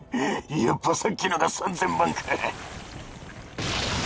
やっぱさっきのが３０００万か。